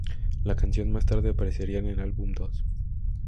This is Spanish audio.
La canción más tarde aparecería en el álbum ¡Dos!.